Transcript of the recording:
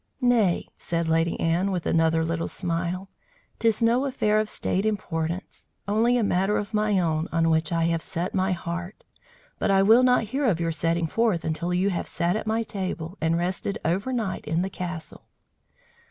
"Nay," said Lady Anne, with another little smile, "'tis no affair of state importance! Only a matter of my own on which I have set my heart. But I will not hear to your setting forth, until you have sat at my table and rested overnight in the castle."